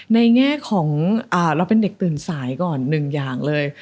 แง่ของเราเป็นเด็กตื่นสายก่อนหนึ่งอย่างเลย